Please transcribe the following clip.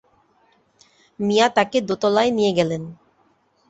মিয়া তাঁকে দোতলায় নিয়ে গেলেন।